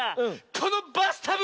このバスタブ？